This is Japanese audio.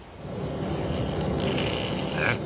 えっ？